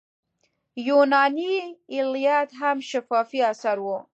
یوناني ایلیاد هم شفاهي اثر و.